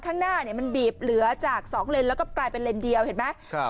ข้างหน้ามันบีบเหลือจาก๒เลนแล้วกลายเป็นเลนเดียวเห็นไหม